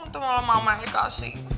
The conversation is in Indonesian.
teman lama mah dikasih